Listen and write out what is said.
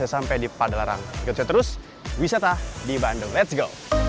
sampai di padalarang kita terus wisata di bandung let's go